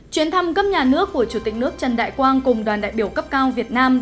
chuyến thăm cấp nhà nước của chủ tịch nước trần đại quang cùng đoàn đại biểu cấp cao việt nam